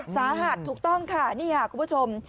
สาหัสถูกต้องค่ะนี่ค่ะคุณผู้ชม